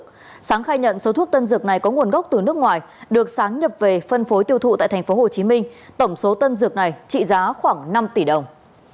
trước đó sáng khai nhận số thuốc tân dược này có nguồn gốc từ nước ngoài được sáng nhập về phân phối tiêu thụ tại tp hcm tổng số tân dược này trị giá khoảng năm tỷ đồng